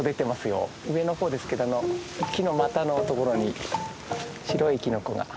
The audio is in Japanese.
上の方ですけど木の股のところに白いキノコが。